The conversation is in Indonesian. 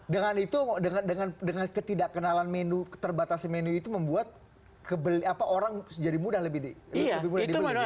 dengan itu dengan ketidakkenalan menu terbatasnya menu itu membuat orang jadi mudah lebih mudah dibeli